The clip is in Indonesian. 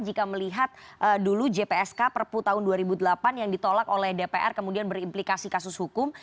jika melihat dulu jpsk perpu tahun dua ribu delapan yang ditolak oleh dpr kemudian berimplikasi kasus hukum